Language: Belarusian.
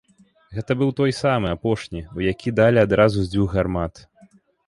Гэта быў той самы, апошні, у які далі адразу з дзвюх гармат.